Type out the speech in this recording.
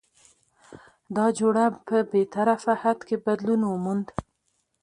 دا جوړه په بې طرفه حد کې بدلون وموند؛